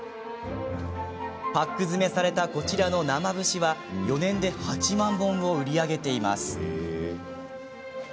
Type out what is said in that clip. パック詰めされたこちらの生節は、４年で８万本を売り上げています。